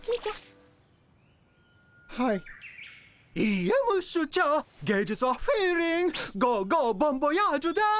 いいえムッシュチャー芸術はフィーリングゴーゴーボンボヤージュです。